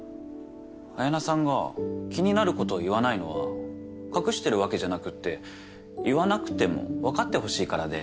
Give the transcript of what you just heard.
綾菜さんが気になることを言わないのは隠してるわけじゃなくって言わなくても分かってほしいからで。